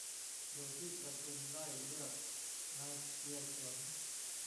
โดยที่ประชุมได้เลือกนายเจียฉวน